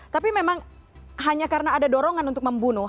tapi memang hanya karena ada dorongan untuk membunuh